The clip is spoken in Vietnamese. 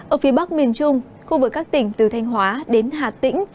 ở phía bắc miền trung khu vực các tỉnh từ thanh hóa đến hà tĩnh